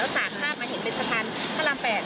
แล้วสาดภาพเห็นว่าเป็นประถันครามแปด